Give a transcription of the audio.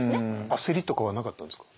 焦りとかはなかったんですか？